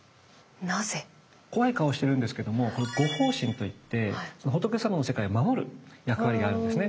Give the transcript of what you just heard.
怖い顔してるんですけども護法神といって仏さまの世界を守る役割があるんですね。